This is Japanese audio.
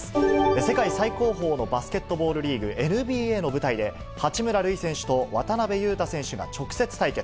世界最高峰のバスケットボールリーグ・ＮＢＡの舞台で、八村塁選手と渡邊雄太選手が直接対決。